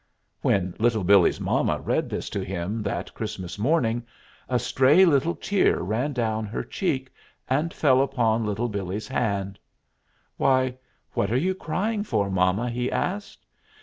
When Little Billee's mama read this to him that Christmas morning, a stray little tear ran down her cheek and fell upon Little Billee's hand. "Why, what are you crying for, mama?" he asked.